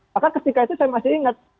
maka ketika itu saya masih ingat